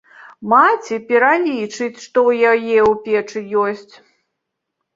Маці пералічыць, што ў яе ў печы ёсць.